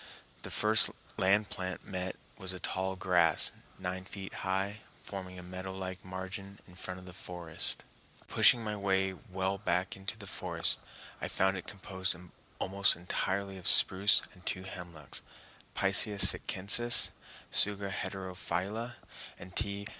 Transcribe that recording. The first land plant met was a tall grass, nine feet high, forming a meadow like margin in front of the forest. Pushing my way well back into the forest, I found it composed almost entirely of spruce and two hemlocks (Picea sitchensis, Tsuga heterophylla and _T.